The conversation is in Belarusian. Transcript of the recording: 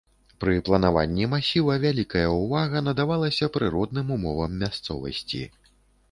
Пры планаванні масіва вялікая ўвага надавалася прыродным умовам мясцовасці.